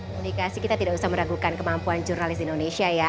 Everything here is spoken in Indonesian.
komunikasi kita tidak usah meragukan kemampuan jurnalis di indonesia ya